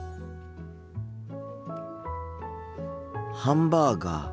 ハンバーガー。